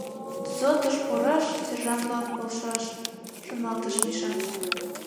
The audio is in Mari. «ДЗОТ-ыш пураш, сержантлан полшаш», — шоналтыш Миша.